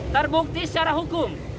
terbukti secara hukum